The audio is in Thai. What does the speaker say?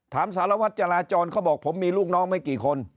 สารวัตรจราจรเขาบอกผมมีลูกน้องไม่กี่คน